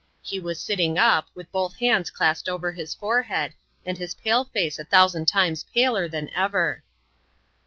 He was sitting up, with both hands clasped over his forehead, and his pale face a thousand times paler than ever.